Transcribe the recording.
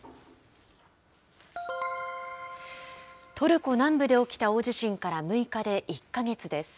トルコ南部で起きた大地震から６日で１か月です。